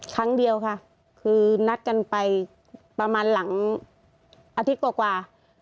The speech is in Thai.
ครั้งเดียวค่ะคือนัดกันไปประมาณหลังอาทิตย์กว่า